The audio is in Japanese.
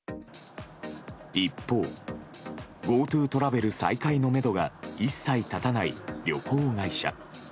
一方ＧｏＴｏトラベル再開のめどが一切立たない旅行会社。